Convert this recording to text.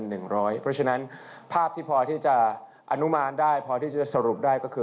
เพราะฉะนั้นภาพที่พอที่จะอนุมานได้พอที่จะสรุปได้ก็คือ